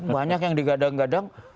banyak yang digadang gadang